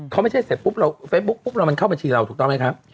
เขาไม่ใช่เสร็จปุ๊บเราเฟซบุ๊กปุ๊บเรามันเข้าบัญชีเราถูกต้องไหมครับ